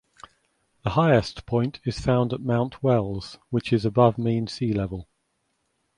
The highest point is found at Mount Wells which is above mean sea level.